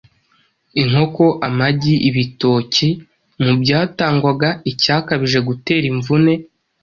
inkoko, amagi, ibitoki... Mu byatangwaga icyakabije gutera imvune